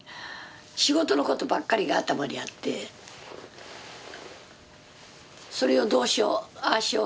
仕事のことばっかりが頭にあってそれをどうしようああしよう